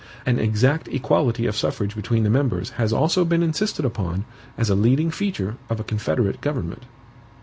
An exact equality of suffrage between the members has also been insisted upon as a leading feature of a confederate government.